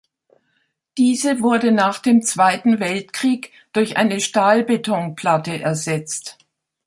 Diese wurde nach dem Zweiten Weltkrieg durch eine Stahlbetonplatte ersetzt.